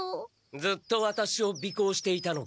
ずっとワタシをびこうしていたのか。